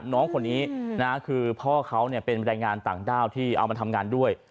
น้องคนนี้นะคือพ่อเขาเป็นแรงงานต่างด้าวที่เอามาทำงานด้วย